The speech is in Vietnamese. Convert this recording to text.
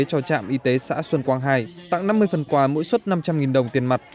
cho trạm y tế xã xuân quang hai tặng năm mươi phần quà mỗi xuất năm trăm linh đồng tiền mặt